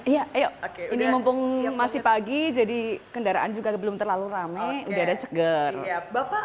ya ayo oke ini mumpung masih pagi jadi kendaraan juga belum terlalu ramai udah ada seger bapak